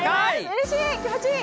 うれしい、気持ちいい。